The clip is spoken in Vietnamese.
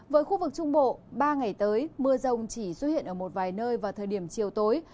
với khu vực trung bộ ba ngày tới mưa rông chỉ xuất hiện ở một vài nơi vào thời điểm chiều tối